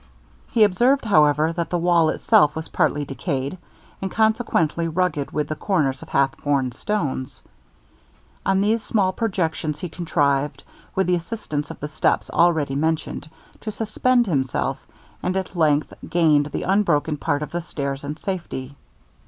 He observed, however, that the wall itself was partly decayed, and consequently rugged with the corners of half worn stones. On these small projections he contrived, with the assistance of the steps already mentioned, to suspend himself, and at length gained the unbroken part of the stairs in safety.